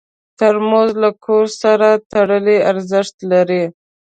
ترموز له کور سره تړلی ارزښت لري.